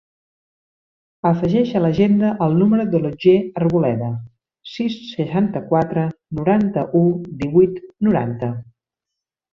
Afegeix a l'agenda el número de l'Otger Arboleda: sis, seixanta-quatre, noranta-u, divuit, noranta.